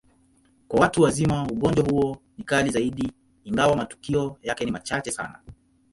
Kwa watu wazima, ugonjwa huo ni kali zaidi, ingawa matukio yake ni machache sana.